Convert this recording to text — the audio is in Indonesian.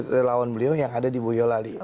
relawan beliau yang ada di boyolali